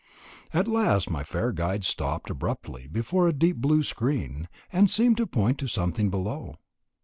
At last my fair guide stopped abruptly before a deep blue screen, and seemed to point to something below.